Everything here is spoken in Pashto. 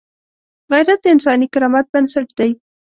غیرت د انساني کرامت بنسټ دی